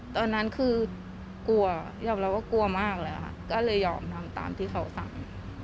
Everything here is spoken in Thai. ตอนนั้นคือกลัวยอมรับว่ากลัวมากเลยค่ะก็เลยยอมทำตามที่เขาสั่ง